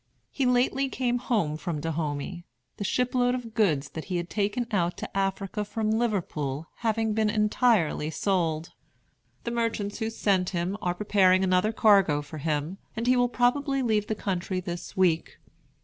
He lately came home from Dahomey, the ship load of goods that he had taken out to Africa from Liverpool having been entirely sold. The merchants who sent him are preparing another cargo for him, and he will probably leave the country this week.